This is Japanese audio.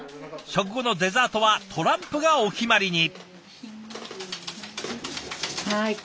食後のデザートはトランプがお決まりに。